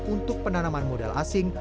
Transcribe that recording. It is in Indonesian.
untuk penanaman modal asing